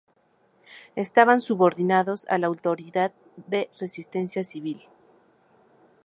Estaban subordinados a la autoridad de resistencia civil.